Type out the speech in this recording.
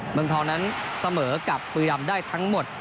เมืองทองนั้นเสมอกับบุรีรำได้ทั้งหมด